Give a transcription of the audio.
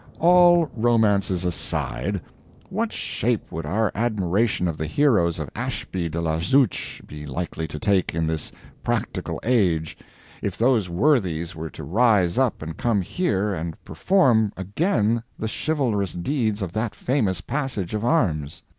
All romance aside, what shape would our admiration of the heroes of Ashby de la Zouch be likely to take, in this practical age, if those worthies were to rise up and come here and perform again the chivalrous deeds of that famous passage of arms?